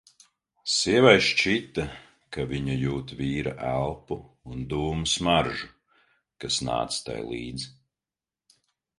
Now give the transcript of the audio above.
Sievai šķita, ka viņa jūt vīra elpu un dūmu smaržu, kas nāca tai līdz.